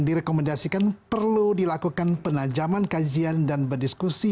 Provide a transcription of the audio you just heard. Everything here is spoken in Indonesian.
direkomendasikan perlu dilakukan penajaman kajian dan berdiskusi